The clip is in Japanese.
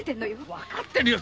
分かってるよ！